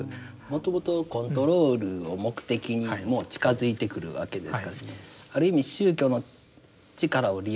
もともとコントロールを目的にもう近づいてくるわけですからある意味宗教の力を利用してるといいますか。